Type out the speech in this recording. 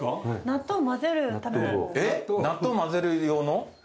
納豆混ぜる用の？